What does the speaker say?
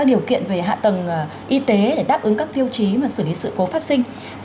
điều kiện về hạ tầng y tế để đáp ứng các tiêu chí xử lý sự cố phát sinh